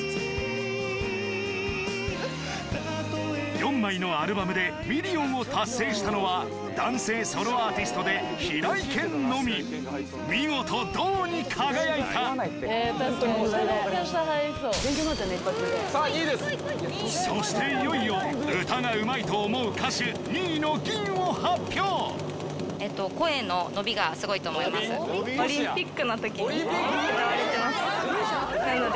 ４枚のアルバムでミリオンを達成したのは男性ソロアーティストで平井堅のみ見事銅に輝いたそしていよいよ歌がうまいと思う歌手２位の銀を発表なので。